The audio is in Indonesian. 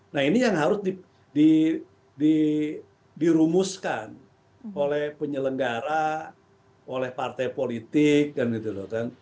nah ini yang harus dirumuskan oleh penyelenggara oleh partai politik kan gitu loh kan